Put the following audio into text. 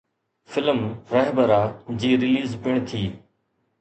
Film ”رهبرا“ جي release پڻ ٿي.